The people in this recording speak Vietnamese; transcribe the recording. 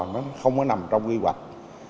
nó không có nằm trong quy hoạch